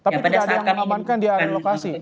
tapi tidak ada yang mengamankan dia ada lokasi